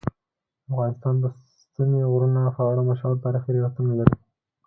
افغانستان د ستوني غرونه په اړه مشهور تاریخی روایتونه لري.